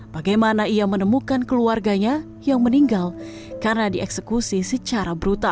bagaimana ia menemukan keluarganya yang meninggal karena dieksekusi secara brutal